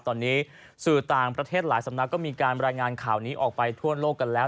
ตอนนี้สื่อต่างประเทศหลายสำนักก็มีการรายงานข่าวนี้ออกไปทั่วโลกกันแล้ว